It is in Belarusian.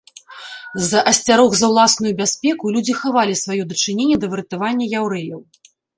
З-за асцярог за ўласную бяспеку людзі хавалі сваё дачыненне да выратавання яўрэяў.